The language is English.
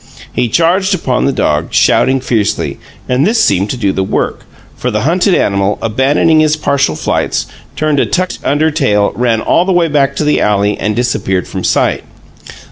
He charged upon the dog, shouting fiercely, and this seemed to do the work, for the hunted animal, abandoning his partial flights, turned a tucked under tail, ran all the way back to the alley, and disappeared from sight.